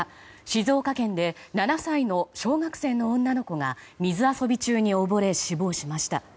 静岡県で７歳の小学生の女の子が水遊び中におぼれ死亡しました。